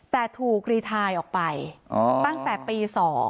แต่ถูกรีไทน์ออกไปตั้งแต่ปี๒